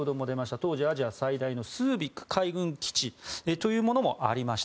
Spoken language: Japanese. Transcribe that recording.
当時、アジア最大のスービック海軍基地というのもありました。